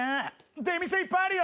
出店いっぱいあるよ！